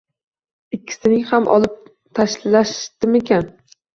Ikkisin ham olib tashlashdimikan?